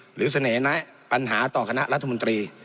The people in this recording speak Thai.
หรือเสนอแนะปัญหาต่อคณะรัฐมนตรี